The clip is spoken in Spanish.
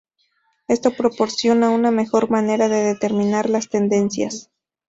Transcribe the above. Esto proporciona una mejor manera de determinar las tendencias.